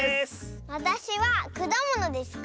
わたしはくだものですか？